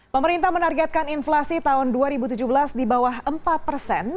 pemerintah menargetkan inflasi tahun dua ribu tujuh belas di bawah empat persen